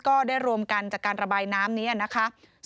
ก็ได้รวมกันจากการระบายน้ำนี้นะคะ